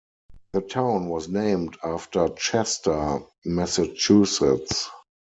The town was named after Chester, Massachusetts.